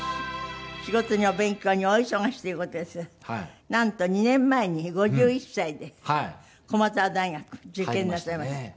仕事にお勉強に大忙しという事ですがなんと２年前に５１歳で駒澤大学受験なさいました。